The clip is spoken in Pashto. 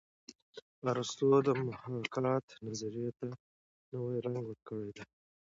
ارستو د محاکات نظریې ته نوی رنګ ورکړی دی